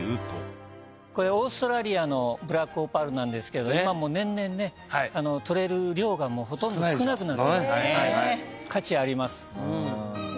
これオーストラリアのブラックオパールなんですけど年々ね採れる量がほとんど少なくなって価値あります。